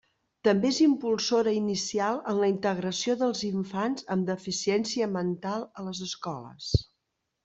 També és impulsora inicial en la integració dels infants amb deficiència mental a les escoles.